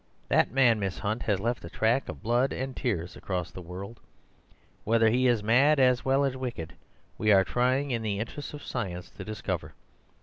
That man, Miss Hunt, has left a track of blood and tears across the world. Whether he is mad as well as wicked, we are trying, in the interests of science, to discover.